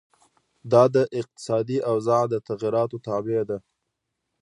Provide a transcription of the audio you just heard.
دا د اقتصادي اوضاع د تغیراتو تابع ده.